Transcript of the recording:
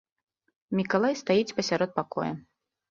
Мікалай стаіць пасярод пакоя.